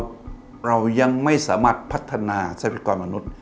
เรายังไม่สามารถพัฒนาทรัพยากรมนุษย์